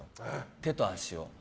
手と足を。